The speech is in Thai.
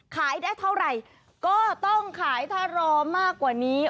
ขายได้เท่าไหร่ก็ต้องขายถ้ารอมากกว่านี้